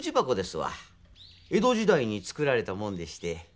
江戸時代に作られたもんでして。